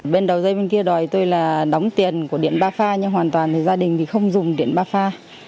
bên đầu dây bên kia đòi tôi là đóng tiền của điện ba pha nhưng hoàn toàn thì gia đình thì không dùng điện ba pha